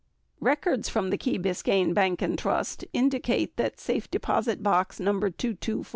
Records from the Key Biscayne Bank and Trust indicate that safe deposit box No.